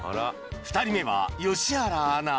２人目は良原アナ